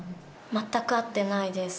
全く合ってないです。